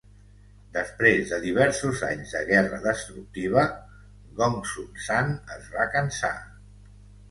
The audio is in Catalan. Després de diversos anys de guerra destructiva, Gongsun Zan es va cansar.